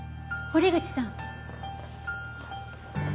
堀口さん。